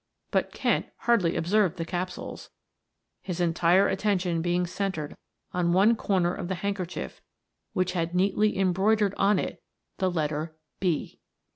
But Kent hardly observed the capsules, his entire attention being centered on one corner of the handkerchief, which had neatly embroidered on it the letter "B."